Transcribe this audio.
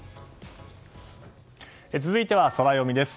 続いては、ソラよみです。